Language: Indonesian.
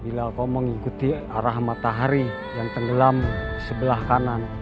bila engkau mengikuti arah matahari yang tenggelam sebelah kanan